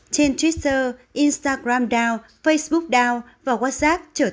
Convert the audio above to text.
trên twitter instagram dow facebook dow và whatsapp trở thành lỗi